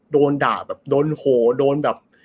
โดนด่าแบบโดนโหโดนแบบ